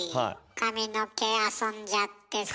髪の毛遊んじゃってさ。